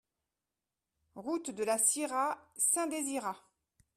Route de la Syrah, Saint-Désirat